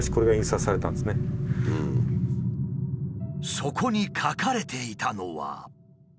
そこに書かれていたのは。